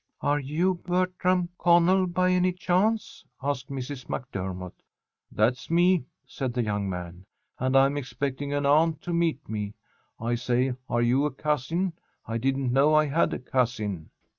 "Are you Bertram Connell, by any chance?" asked Mrs. MacDermott. "That's me," said the young man, "and I'm expecting an aunt to meet me. I say, are you a cousin? I didn't know I had a cousin."